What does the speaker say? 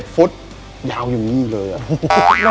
๗ฟุตยาวยังงี้เลยอะ